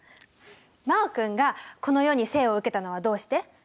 真旺君がこの世に生を受けたのはどうして？